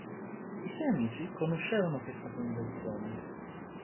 I suoi amici conoscevano questa convenzione.